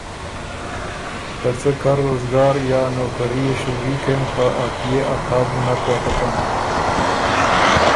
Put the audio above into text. که څه کر روزګار یا نوکَري يې شُوري کېم خه ا پئے ا تا بو نک وتکم